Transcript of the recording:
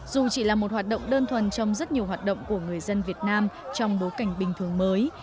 dù chỉ là một hoạt động đơn thuần trong rất nhiều hoạt động của người dân việt nam trong bối cảnh bình thường mới